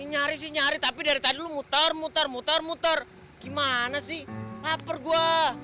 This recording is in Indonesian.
nyari sih nyari tapi dari tadi lu muter muter muter muter gimana sih laper gua